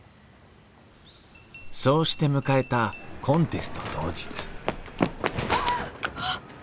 そうして迎えたコンテスト当日はあっ！